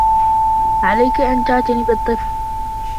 عليك أن تعتني بالطفل.